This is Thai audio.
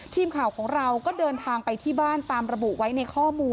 ตำรวจน้องไม่มี